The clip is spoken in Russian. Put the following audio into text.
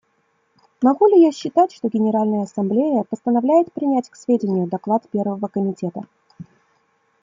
Могу ли я считать, что Генеральная Ассамблея постановляет принять к сведению доклад Первого комитета?